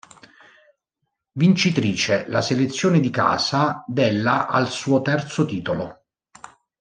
Vincitrice la selezione di casa della al suo terzo titolo.